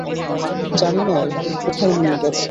জানি না এরপর কোথায় নিয়ে গেছে।